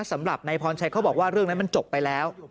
สำหรับนายพรชัยเขาบอกว่าเรื่องนั้นมันจบไปแล้ว